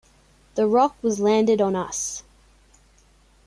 The rock was landed on us.